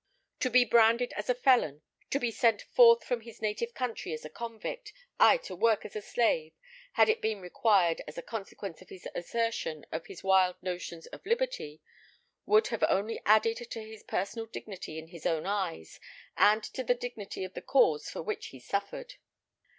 To be branded as a felon, to be sent forth from his native country as a convict, ay, to work as a slave, had it been required as a consequence of his assertion of his wild notions of liberty, would have only added to his personal dignity in his own eyes, and to the dignity of the cause for which he suffered.